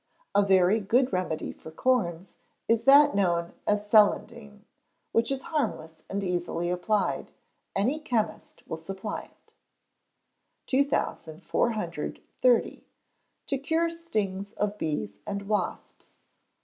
A very good remedy for corns is that known as "Celandine," which is harmless and easily applied. Any chemist will supply it. 2430. To Cure Stings of Bees and Wasps.